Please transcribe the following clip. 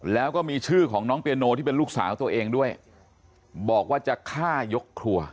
แล้วก็มีชื่อของน้องเปียโนที่เป็นลูกสาวตัวเองด้วยบอกว่าจะฆ่ายกครัว